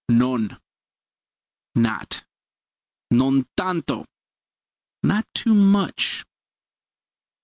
Non not. Non tanto not too much.